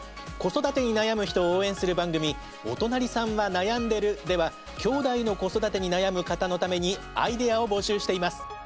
子育てに悩む人を応援する番組「おとなりさんはなやんでる。」ではきょうだいの子育てに悩む方のためにアイデアを募集しています。